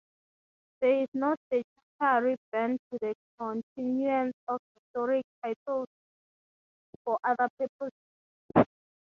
There is no statutory ban to the continuance of historic titles for other purposes.